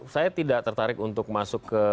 saya tidak tertarik untuk masuk ke